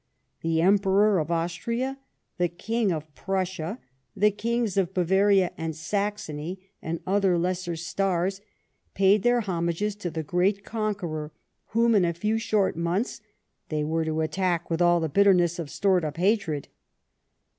The Emperor of Austria, the King of Prussia, the Kings of Bavaria and Saxony, and other lesser stars, paid their homages to the great conqueror whom, in a few short months, they were to attack with all the bitterness of stored up hatred.